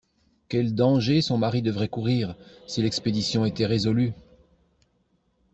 Quels dangers son mari devrait courir, si l'expédition était résolue!